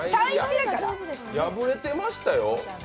破れてましたよ。